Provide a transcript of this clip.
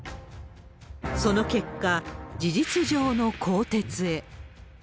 その結果、事実上の更迭へ。